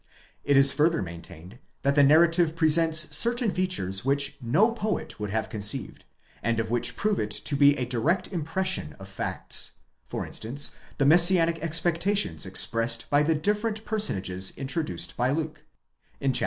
It is further maintained, that the narrative presents certain features which no poet would have conceived, and which prove it to be a direct impression of facts; for instance, the Messianic expectations expressed by the different personages introduced by Luke (chap.